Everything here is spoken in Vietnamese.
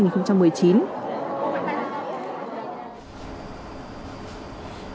chủ tịch hồ chí minh đã đi xa